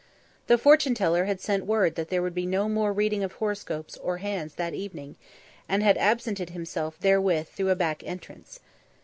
The fortune teller had sent word that there would be no more reading of horoscopes or hands that evening, and had absented himself therewith through a back entrance.